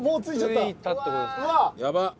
やばっ！